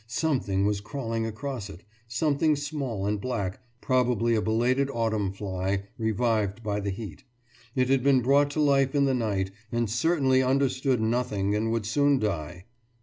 Something was crawling across it, something small and black, probably a belated autumn fly, revived by the heat. It had been brought to life in the night, and certainly understood nothing and would soon die.